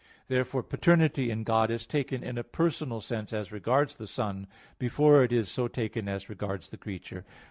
Therefore paternity in God is taken in a personal sense as regards the Son, before it is so taken as regards the creature.